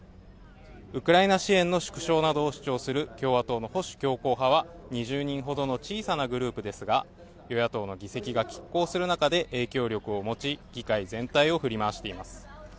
ウクライナ支援の縮小などを主張する共和党の保守強硬派は２０人ほどの小さなグループですが与野党の議席が拮抗する中で影響力を持ち議会全体を振り回しています